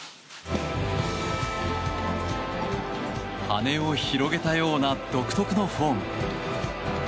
羽を広げたような独特のフォーム。